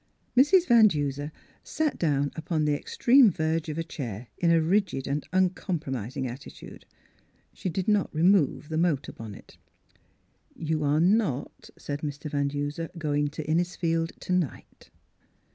Mrs. Van Dnser sat down upon the ex treme verge of a chair in a rigid and un compromising attitude. She did not re move the motor bonnet. "You are not," said Mr. Van Duser, " going to Innisfield to night."